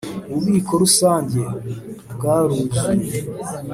Ububiko rusange bwaruzuye.